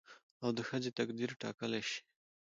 او د ښځې تقدير ټاکلى شي